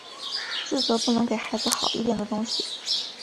自责不能给孩子好一点的东西